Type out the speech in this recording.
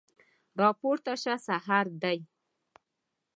راپورته شه سحر دی